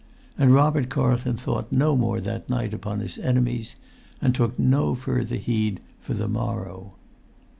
And Robert Carlton thought no more that night upon his enemies, and took no further heed for the morrow.